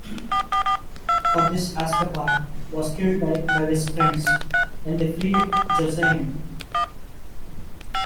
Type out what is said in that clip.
For this Ascapart was killed by Bevis' friends when they freed Josiane.